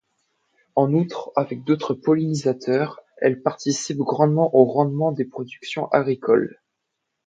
En outre, avec d’autres pollinisateurs, elle participe grandement au rendement des productions agricoles.